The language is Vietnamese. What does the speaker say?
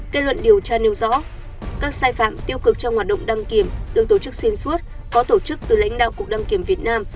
kết luận điều tra nêu rõ các sai phạm tiêu cực trong hoạt động đăng kiểm được tổ chức xuyên suốt có tổ chức từ lãnh đạo cục đăng kiểm việt nam